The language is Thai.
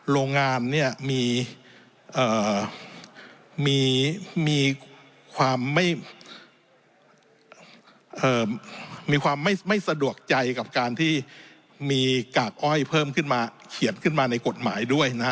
โรงงานมีความไม่สะดวกใจกับการที่มีกากอ้อยเพิ่มเขียนขึ้นมาในกฎหมายด้วย